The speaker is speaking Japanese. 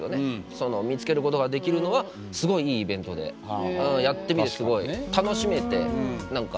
その見つけることができるのはすごいいいイベントでやってみてすごいベッキーは改めてどうですか？